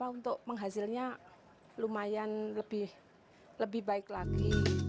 untuk penghasilnya lumayan lebih baik lagi